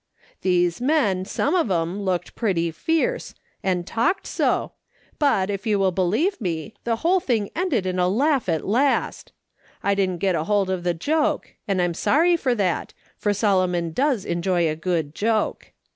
" These men, soiae of them, looked pretty fierce, SHE HAS TRIALS AND COMPENSATIONS. 31 and talked so, but, if you will believe me, the whole thing ended in a laugh at last. I didn't get hold of the joke, and I'm sorry for that, for Solomon does enjoy a good joke.